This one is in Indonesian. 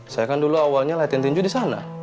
saya kan dulu awalnya latihan tinju di sana